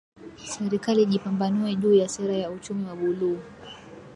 Serikali ijipambanue juu ya sera ya Uchumi wa Buluu